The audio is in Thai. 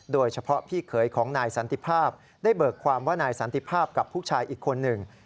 พี่เขยของนายสันติภาพได้เบิกความว่านายสันติภาพกับผู้ชายอีกคนหนึ่ง